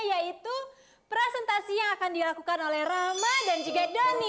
yaitu presentasi yang akan dilakukan oleh rama dan juga dhani